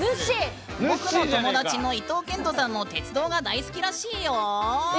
僕の友達の伊東健人さんも鉄道が大好きらしいよ。